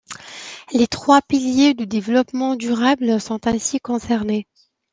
Les trois piliers du développement durable sont ainsi concernés.